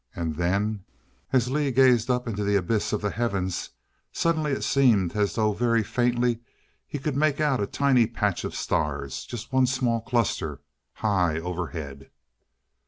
And then, as Lee gazed up into the abyss of the heavens, suddenly it seemed as though very faintly he could make out a tiny patch of stars. Just one small cluster, high overhead.